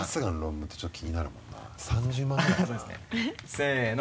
せの！